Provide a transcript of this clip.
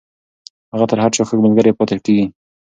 هغه تر هر چا ښه ملگرې پاتې کېږي.